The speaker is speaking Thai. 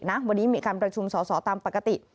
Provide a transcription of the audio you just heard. วันนี้มีการประชุมสอสอตามปกติ